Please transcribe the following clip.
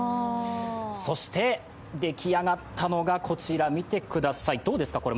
そして出来上がったのがこちら、見てください、どうですかこれ。